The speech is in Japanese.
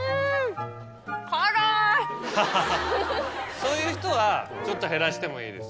そういう人はちょっと減らしてもいいです。